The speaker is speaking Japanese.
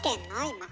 今。